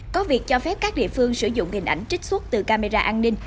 có việc cho phép các địa phương sử dụng hình ảnh trích xuất từ camera an ninh